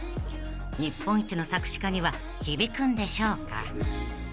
［日本一の作詞家には響くんでしょうか？］